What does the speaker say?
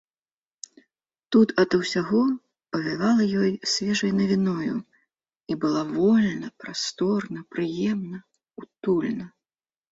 Тут ад усяго павявала ёй свежай навіною, і было вольна, прасторна, прыемна, утульна.